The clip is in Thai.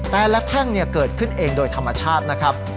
แต่ละแท่งเนี่ยเกิดขึ้นเองโดยธรรมชาตินะครับ